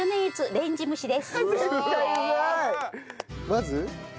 まず？